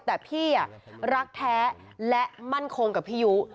แต่พี่รักแท้และมั่นคงกับพี่ยุ